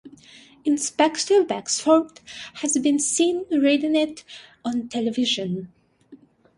Inspector Wexford has been seen reading it on television.